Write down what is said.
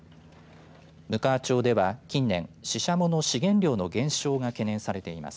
むかわ町では近年シシャモの資源量の減少が懸念されています。